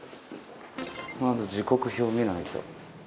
まず時刻表見ないと。